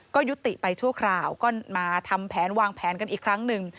ก็ยุติไปชั่วคราวก็มาทำแผนวางแผนกันอีกครั้งหนึ่ง